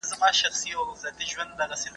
د کورني شخړو له امله کار مه ځنډوئ.